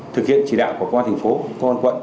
thực hiện chỉ đạo của công an thành phố công an quận